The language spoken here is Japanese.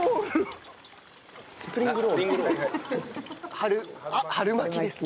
春あっ春巻きです。